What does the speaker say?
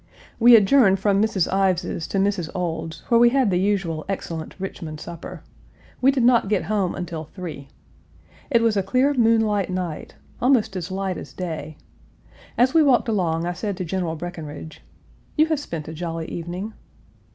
Page 286 We adjourned from Mrs. Ives's to Mrs. Ould's, where we had the usual excellent Richmond supper. We did not get home until three. It was a clear moonlight night almost as light as day. As we walked along I said to General Breckinridge, "You have spent a jolly evening."